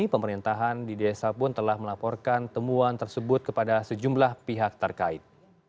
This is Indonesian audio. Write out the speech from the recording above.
pemerintahan di desa pun telah melaporkan temuan tersebut kepada sejumlah pihak terkait